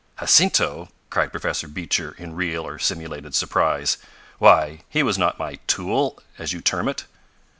"Jacinto!" cried Professor Beecher in real or simulated surprise. "Why, he was not my 'tool,' as you term it."